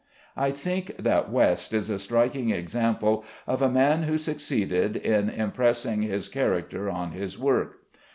I think that West is a striking example of a man who succeeded in impressing his character on his work.